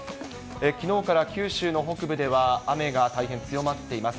きのうから九州の北部では雨が大変強まっています。